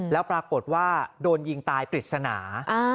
แล้วปรากฏว่าโดนยิงตายปริศนา